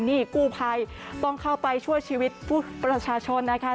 นี่กู้ภัยต้องเข้าไปช่วยชีวิตผู้ประชาชนนะคะ